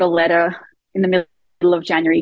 dan saya terpaksa mendapatkan pesan di tengah januari